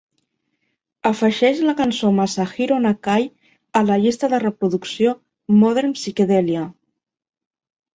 afegeix la cançó Masahiro Nakai a la llista de reproducció "Modern Psychedelia"